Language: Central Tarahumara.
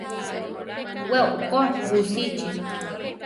We okó busichí.